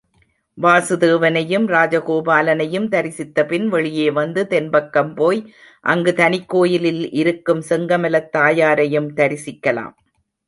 வாசுதேவனையும் ராஜகோபாலனையும் தரிசித்தபின் வெளியே வந்து தென்பக்கம் போய் அங்கு தனிக்கோயிலில் இருக்கும் செங்கமலத் தாயாரையும் தரிசிக்கலாம்.